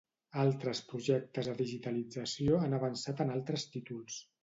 Altres projectes de digitalització han avançat en altres títols.